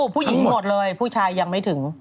ผู้หญิงหมดเลยผู้ชายยังไม่ถึง